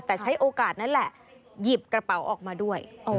แต่ใช้โอกาสนั้นแหละหยิบกระเป๋าออกมาด้วย